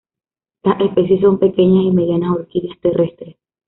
Las especies son pequeñas y medianas orquídeas terrestres.